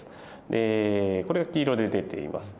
でこれは黄色で出ています。